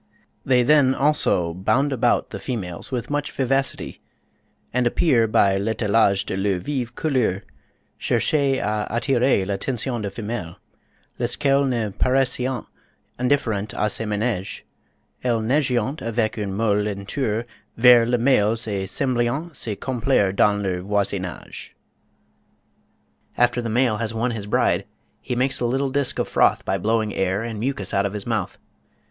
They then also bound about the females with much vivacity, and appear by "l'étalage de leurs vives couleurs chercher a attirer l'attention des femelles, lesquelles ne paraissaient indifférentes a ce manège, elles nageaient avec une molle lenteur vers les males et semblaient se complaire dans leur voisinage." After the male has won his bride, he makes a little disc of froth by blowing air and mucus out of his mouth.